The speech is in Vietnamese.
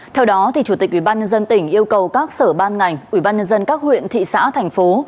theo đó chủ tịch ubnd tỉnh yêu cầu các sở ban ngành ubnd các huyện thị xã thành phố